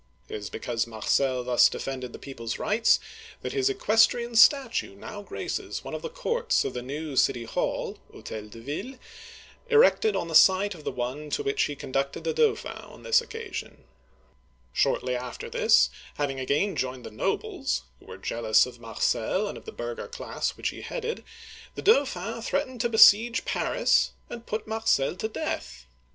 It is because Marcel thus defended the people's rights, that his equestrian statue now graces one of the courts of the new city hall (H6tel de Ville), erected on the site of the one to which he con ducted the Dauphin on this occasion. Shortly after this, having again joined the nobles, — who were jealous of Marcel and of the burgher class Digitized by Google JOHN II. (1350 1364) 161 which he headed, — the Dauphin threatened to besiege Paris and put Marcel to death.